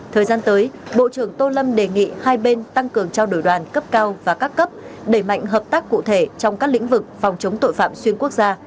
thời gian tới bộ trưởng tô lâm đề nghị hai bên tăng cường trao đổi đoàn cấp cao và các cấp đẩy mạnh hợp tác cụ thể trong các lĩnh vực phòng chống tội phạm xuyên quốc gia